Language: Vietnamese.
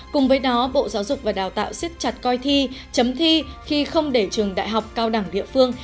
cùng với đó bộ giáo dục và đào tạo siết chặt coi thi chấm thi khi không để trường đại học cao đẳng địa phương